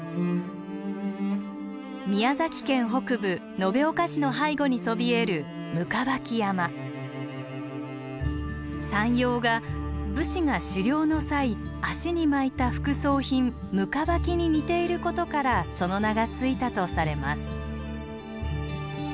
宮崎県北部延岡市の背後にそびえる山容が武士が狩猟の際足に巻いた服装品行縢に似ていることからその名が付いたとされます。